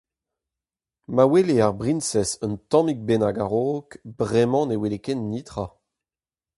Ma wele ar briñsez un tammig bennak a-raok, bremañ ne wele ken netra.